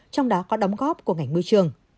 trong đó có đóng góp của ngành môi trường